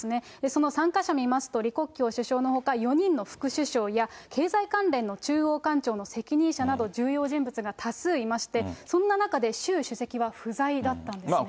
その参加者を見ますと、李克強首相のほか、４人の副首相や、経済関連の中央官庁の責任者など、重要人物が多数いまして、そんな中で習主席は不在だったんですね。